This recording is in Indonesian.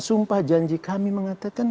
sumpah janji kami mengatakan